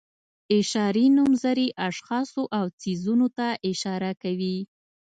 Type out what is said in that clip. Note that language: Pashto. اشاري نومځري اشخاصو او څیزونو ته اشاره کوي.